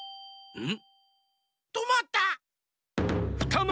うん！